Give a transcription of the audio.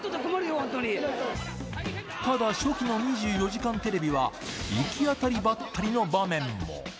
ただ、初期の２４時間テレビは行き当たりばったりの場面も。